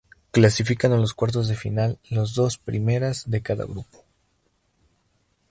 Clasifican a los cuartos de final los dos primeras de cada grupo.